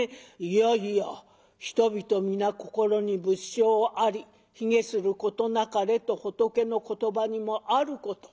「いやいや『人々皆心に仏性あり卑下することなかれ』と仏の言葉にもあること。